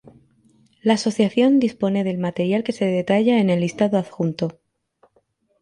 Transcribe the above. La Asociación dispone del material que se detalla en el listado adjunto.